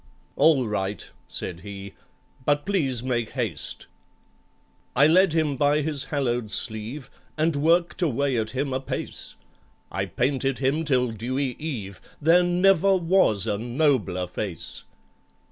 "All right," said he, "but please make haste." I led him by his hallowed sleeve, And worked away at him apace, I painted him till dewy eve,— There never was a nobler face!